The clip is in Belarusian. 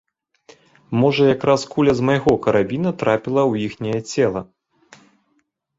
Можа якраз куля з майго карабіна трапіла ў іхняе цела.